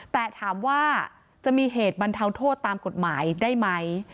แต่ถามว่าจะมีเหตุบรรเทาโทษตามกฎหมายได้ไหม